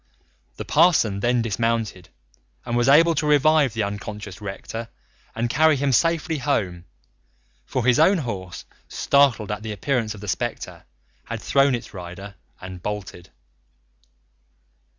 The parson then dismounted and was able to revive the unconscious rector and carry him safely home, for his own horse, startled at the appearance of the spectre, had thrown its rider and bolted.